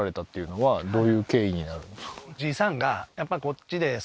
はい